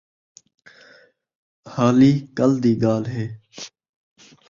حالی کل دی ڳالھ ہِے